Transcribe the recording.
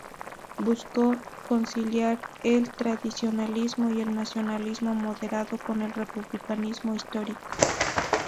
Buscó conciliar el tradicionalismo y el nacionalismo moderado con el republicanismo histórico.